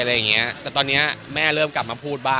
อะไรเงี้ยก็คือแบบ